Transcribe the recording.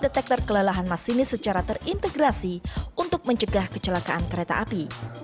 detektor kelelahan masinis secara terintegrasi untuk mencegah kecelakaan kereta api